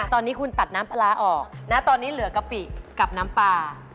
ตอนนี้คุณตัดน้ำปลาร้าออกนะตอนนี้เหลือกะปิกับน้ำปลา